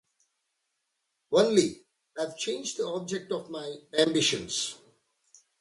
Only, I’ve changed the object of my ambitions.